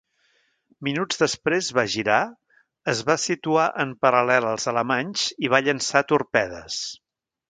Minuts després va girar, es va situar en paral·lel als alemanys i va llançar torpedes.